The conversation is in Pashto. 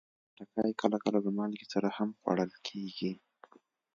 خټکی کله کله له مالګې سره هم خوړل کېږي.